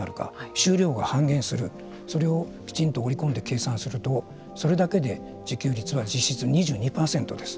収量が半減するそれをきちんと折り込んで計算するとそれだけで自給率は実質２２％です。